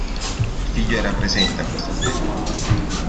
Il figlio era presente a questa sventura.